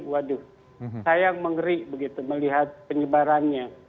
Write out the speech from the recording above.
waduh sayang mengeri begitu melihat penyebarannya